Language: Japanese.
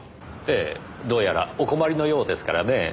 ええどうやらお困りのようですからねえ。